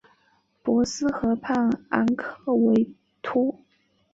博斯河畔昂克托维尔。